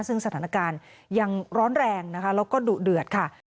ซึ่งสถานการณ์ยังร้อนแรงนะคะแล้วก็ดุเดือดค่ะ